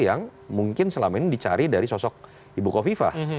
yang mungkin selama ini dicari dari sosok ibu kofifah